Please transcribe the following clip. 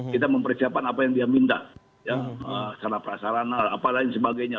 kita mempersiapkan apa yang dia minta sarana prasarana apa dan lain sebagainya